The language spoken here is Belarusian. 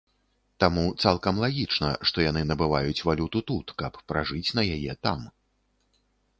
Таму цалкам лагічна, што яны набываюць валюту тут, каб пражыць на яе там.